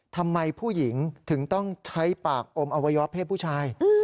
ทำไมผู้หญิงถึงต้องใช้ปากอมอวัยวะเพศผู้ชาย